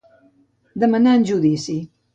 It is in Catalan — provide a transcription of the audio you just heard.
Demanar en judici.